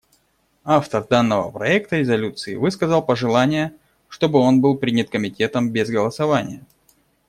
Автор данного проекта резолюции высказал пожелание, чтобы он был принят Комитетом без голосования.